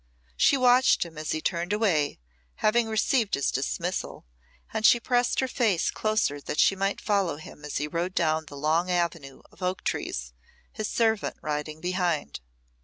She watched him as he turned away, having received his dismissal, and she pressed her face closer that she might follow him as he rode down the long avenue of oak trees, his servant riding behind.